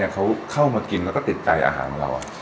เขาเข้ามากินแล้วก็ติดใจอาหารของเรา